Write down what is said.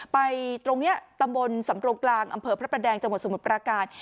ไปตรงนี้ตำบลสำโรงกลางอำเภอพระประแดงจังหวัดสมุทรปราการ